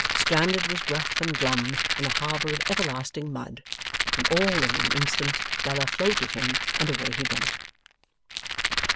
Stranded was Gruff and Glum in a harbour of everlasting mud, when all in an instant Bella floated him, and away he went.